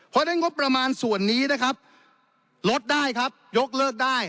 เพราะได้งบประมาณส่วนนี้นะครับลดได้ครับยกเลิกได้